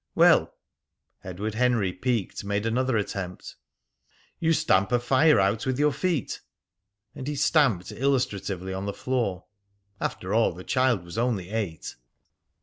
"Well," Edward Henry, piqued, made another attempt, "you stamp a fire out with your feet." And he stamped illustratively on the floor. After all, the child was only eight.